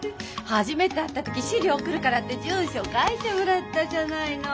初めて会った時資料送るからって住所書いてもらったじゃないの。